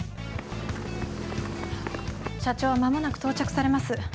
社長は間もなく到着されます。